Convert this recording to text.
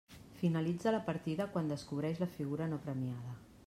Finalitza la partida quan descobreix la figura no premiada.